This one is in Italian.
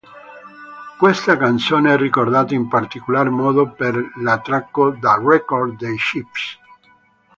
Questa canzone è ricordata in particolar modo per l'attacco da record dei Chiefs.